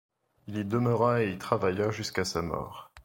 Il y demeura et y travailla jusqu'à sa mort.